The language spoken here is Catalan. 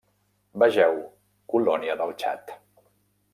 Vegeu Colònia del Txad.